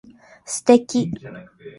素敵